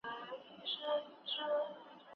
لکه چې اسمان په لمن کې ساتلي